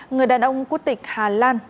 người đàn ông quốc tịch hà lan